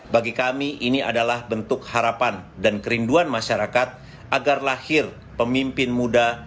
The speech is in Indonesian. bagi kami ini adalah bentuk harapan dan kerinduan masyarakat agar lahir pemimpin muda